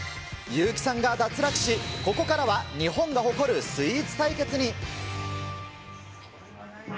優木さんが脱落し、ここからは、日本が誇るスイーツ対決に。